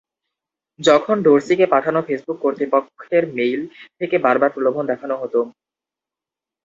তখন ডরসিকে পাঠানো ফেসবুক কর্তৃপক্ষের মেইল থেকে বারবার প্রলোভন দেখাতো হতো।